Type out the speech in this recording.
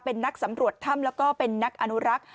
เป็นนักสำรวจถ้ำแล้วก็เป็นนักอนุรักษ์